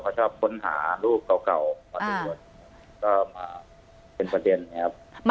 เขาชอบค้นหารูปเก่ามาตรวจก็มาเป็นประเด็นนะครับ